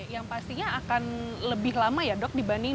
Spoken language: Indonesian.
yang pastinya akan lebih lama ya dok dibanding